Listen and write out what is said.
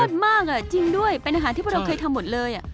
มากจริงด้วยเป็นอาหารที่พวกเราเคยทำหมดเลย